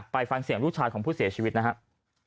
ไปฟังเสียงลูกชายของผู้เสียชีวิตนะครับ